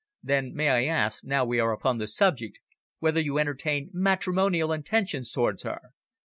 "Then may I ask, now we are upon the subject, whether you entertain matrimonial intentions towards her?"